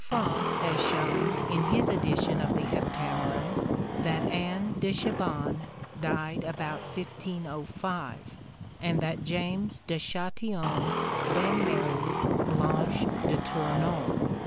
Franck has shown, in his edition of the Heptameron, that Anne de Chabannes died about 1505, and that James de Chastillon then married Blanche de Tournon.